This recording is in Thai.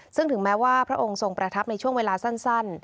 ซึ่งถึงแม้ว่าพระองค์ทรงประทับในช่วงเวลาสั้น